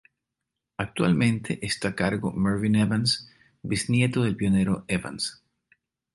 Actualmente está a cargo Mervyn Evans, bisnieto del pionero Evans.